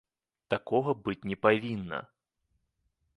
Такога быць не павінна.